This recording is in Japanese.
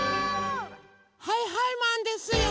はいはいマンですよ！